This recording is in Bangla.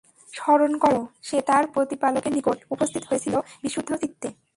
স্মরণ কর, সে তার প্রতিপালকের নিকট উপস্থিত হয়েছিল বিশুদ্ধচিত্তে।